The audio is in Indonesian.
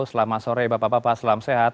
selamat sore bapak bapak selamat sehat